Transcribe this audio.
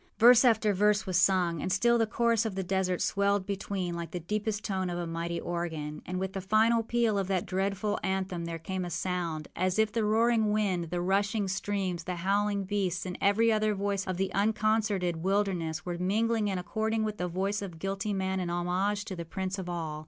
Verse after verse was sung; and still the chorus of the desert swelled between like the deepest tone of a mighty organ; and with the final peal of that dreadful anthem there came a sound, as if the roaring wind, the rushing streams, the howling beasts, and every other voice of the unconcerted wilderness were mingling and according with the voice of guilty man in homage to the prince of all.